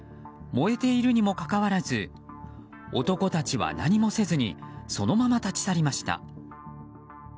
燃えているにもかかわらず男たちは何もせずにそのまま立ち去りました。